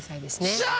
よっしゃ！